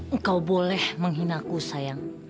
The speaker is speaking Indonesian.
engkau boleh menghina ku sayang